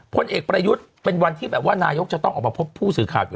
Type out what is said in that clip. พลเอกประยุทธ์เป็นวันที่แบบว่านายกจะต้องออกมาพบผู้สื่อข่าว